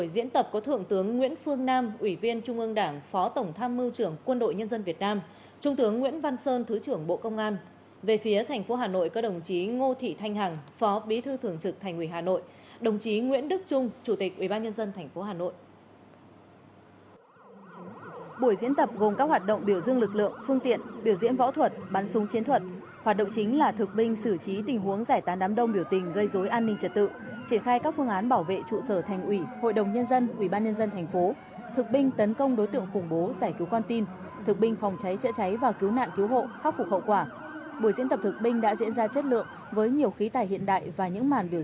vào sáng ngày hôm nay tại quảng trường sân vận động quốc gia mỹ đình công an thành phố hà nội đã phối hợp cùng bộ tư lệnh thủ đô tổ chức buổi diễn tập thực binh xử trí tình huống giải tán đám đông biểu tình gây dối an ninh trật tự tấn công đối tượng khủng bố và giải cứu quan tin khắc phục hậu quả năm hai nghìn một mươi chín với sự tham gia của hơn năm cán bộ chiến sĩ và công dân